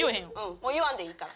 もう言わんでいいから。